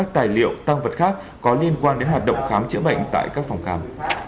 tài liệu tăng vật khác có liên quan đến hoạt động khám chữa bệnh tại các phòng khám